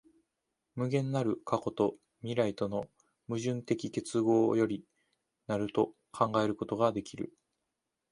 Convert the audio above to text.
無限なる過去と未来との矛盾的結合より成ると考えることができる。